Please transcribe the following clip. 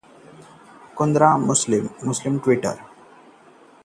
कुंद्रा को मिली clean chit, Shilpa ने ट्विटर पर दिया धन्यवाद